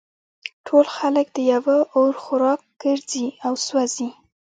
ټول خلک د یوه اور خوراک ګرځي او سوزي